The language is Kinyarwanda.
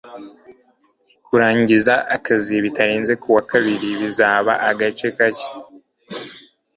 kurangiza akazi bitarenze kuwa kabiri bizaba agace kake